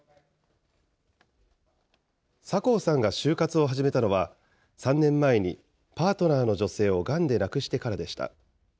酒向さんが終活を始めたのは、３年前にパートナーの女性をがんで亡くしてからでした。